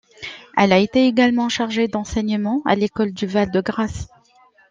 Il a été également chargé d’enseignement à l’École du Val-de-Grâce.